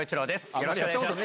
よろしくお願いします。